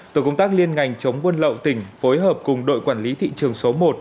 tổ công tác liên ngành chống buôn lậu tỉnh phối hợp cùng đội quản lý thị trường số một